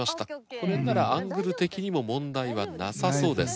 これならアングル的にも問題はなさそうです。